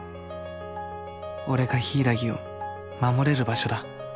俺が柊を守れる場所だ